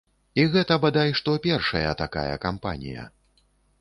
І гэта бадай што першая такая кампанія.